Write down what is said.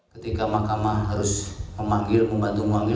ketika mahkamah harus memanggil membantu mengambil